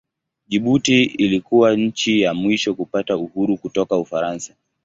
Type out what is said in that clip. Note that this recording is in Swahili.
Jibuti ilikuwa nchi ya mwisho kupata uhuru kutoka Ufaransa.